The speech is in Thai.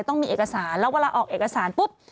ต้องมีเอกสารแล้วเวลาออกเอกสารปุ๊บ